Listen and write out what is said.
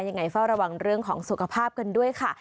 ยังไงเฝ้าระวังเรื่องของสุขภาพกันด้วยค่ะ